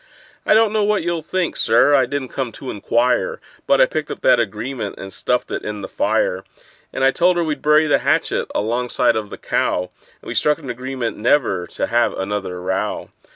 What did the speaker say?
I don't know what you'll think, Sir—I didn't come to inquire— But I picked up that agreement and stuffed it in the fire; And I told her we'd bury the hatchet alongside of the cow; And we struck an agreement never to have another row.